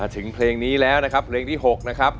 ถึงเพลงนี้แล้วนะครับเพลงที่๖นะครับ